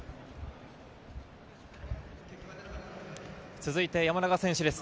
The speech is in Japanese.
続いて山中選手です。